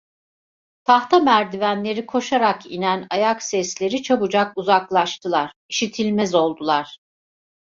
Tahta merdivenleri koşarak inen ayak sesleri çabucak uzaklaştılar, işitilmez oldular.